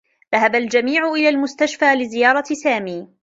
ذهب الجميع إلى المستشفى لزيارة سامي.